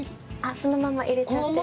そのまま入れちゃって。